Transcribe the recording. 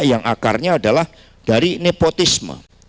yang akarnya adalah dari nepotisme